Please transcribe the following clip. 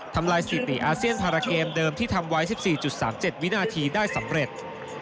ทำลายสถิติอาเซียนพาราเกมเดิมที่ทำไว้๑๔๓๗วินาทีได้สำเร็จ